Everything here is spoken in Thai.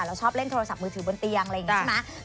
เราชอบเล่นโทรศัพท์มือถือบนเตียงอะไรอย่างนี้ใช่ไหม